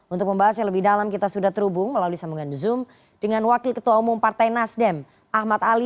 untuk pembahas yang lebih dalam kita sudah terhubung melalui sambungan zoom dengan wakil ketua umum partai nasdem ahmad ali